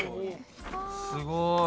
すごい。